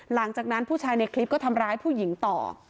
หลังจากนั้นผู้ชายในคลิปก็ทำร้ายผู้หญิงต่อ